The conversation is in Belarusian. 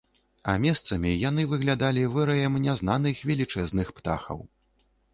А месцамі яны выглядалі выраем нязнаных велічэзных птахаў.